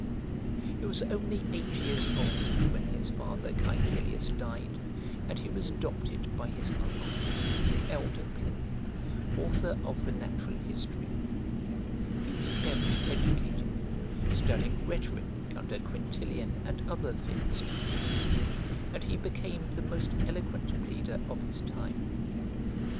He was only eight years old when his father Caecilius died, and he was adopted by his uncle, the elder Pliny, author of the Natural History. He was carefully educated, studying rhetoric under Quintilian and other famous teachers, and he became the most eloquent pleader of his time.